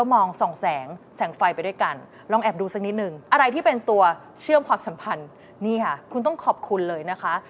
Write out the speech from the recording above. หญิงพวกขอเป็นตัวเชื่องสัมพันธ์คุณต้องขอบคุณเลยนะคะ